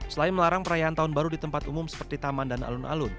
selain melarang perayaan tahun baru di tempat umum seperti taman dan alun alun